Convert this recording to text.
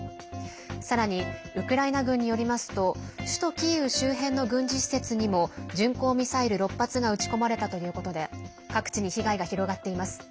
さらにウクライナ軍によりますと首都キーウ周辺の軍事施設にも巡航ミサイル６発が撃ち込まれたということで各地に被害が広がっています。